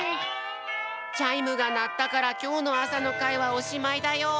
チャイムがなったからきょうのあさのかいはおしまいだよ。